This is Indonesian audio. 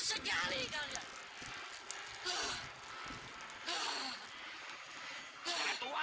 iya gak sih